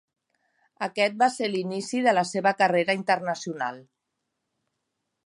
Aquest va ser l'inici de la seva carrera internacional.